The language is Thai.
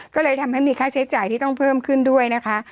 ก็เลยทำให้มีค่าใช้จ่ายที่ต้องเพิ่มขึ้นด้วยนะคะ